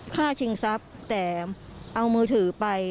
ชิงทรัพย์แต่เอามือถือไป